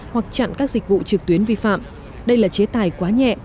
hoặc chặn các dịch vụ trực tuyến vi phạm đây là chế tài quá nhẹ